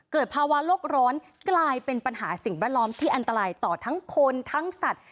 ภาวะโลกร้อนกลายเป็นปัญหาสิ่งแวดล้อมที่อันตรายต่อทั้งคนทั้งสัตว์